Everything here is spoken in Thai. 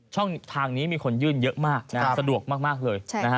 ช่องทางนี้มีคนยื่นเยอะมากสะดวกมากเลย